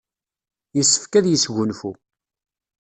Yessefk ad yesgunfu.